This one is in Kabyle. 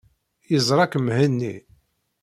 Yeẓra-k Mhenni.